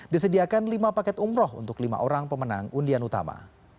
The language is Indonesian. disediakan lima paket umroh untuk lima orang pemenang undian utama